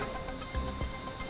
ngelihat kamu disini